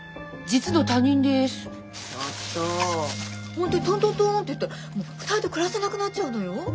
本当にとんとんとんっていったら２人で暮らせなくなっちゃうのよ。